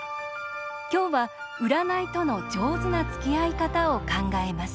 今日は、占いとの上手なつきあい方を考えます。